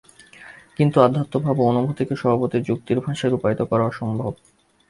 কিন্তু অধ্যাত্মভাব এবং অনুভূতিকে স্বভাবতই যুক্তির ভাষায় রূপায়িত করা অসম্ভব।